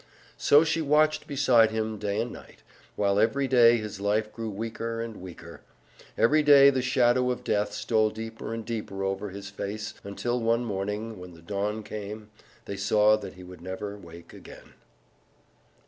So she watched beside him day and night, while every day his life grew weaker and weaker. Every day the shadow of death stole deeper and deeper over his face, until one morning, when the dawn came, they saw that he would never wake again.